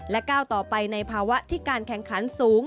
ก้าวต่อไปในภาวะที่การแข่งขันสูง